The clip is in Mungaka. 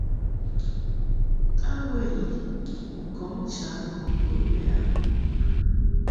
A wə yi u kɔŋ ncha ŋgɔŋ bun mɛʼ a?